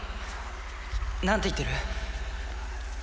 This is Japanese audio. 何て言ってる？